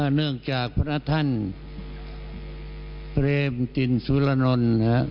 เนื่องจากพระท่านเปรมตินสุรนนท์นะครับ